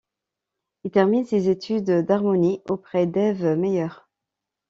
Il termine ses études d'harmonie auprès d'Ève Meyer.